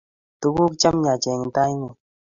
Tuguk che miach eng' ta-ing'ung';